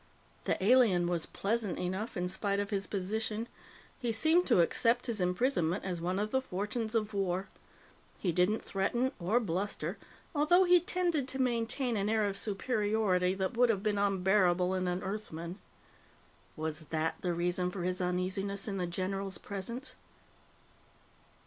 The alien was pleasant enough, in spite of his position. He seemed to accept his imprisonment as one of the fortunes of war. He didn't threaten or bluster, although he tended to maintain an air of superiority that would have been unbearable in an Earthman. Was that the reason for his uneasiness in the general's presence?